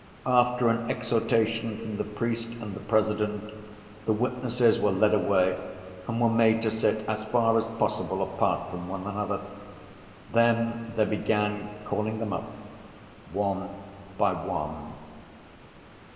After an exhortation from the priest and the President, the witnesses were led away and were made to sit as far as possible apart from one another. Then they began calling them up one by one.